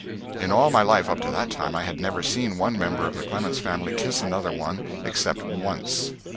In all my life, up to that time, I had never seen one member of the Clemens family kiss another one except once.